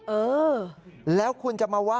เออแล้วคุณจะมาว่า